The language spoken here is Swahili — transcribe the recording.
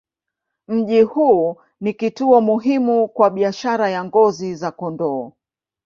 Mji huu ni kituo muhimu kwa biashara ya ngozi za kondoo.